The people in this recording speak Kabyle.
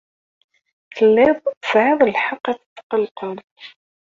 Telliḍ tesɛiḍ lḥeqq ad tetqellqeḍ.